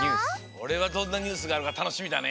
これはどんなニュースがあるかたのしみだね。